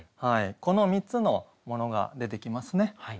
この３つのモノが出てきますね。